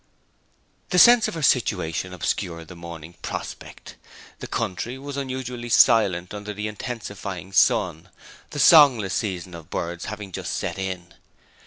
The sense of her situation obscured the morning prospect. The country was unusually silent under the intensifying sun, the songless season of birds having just set in.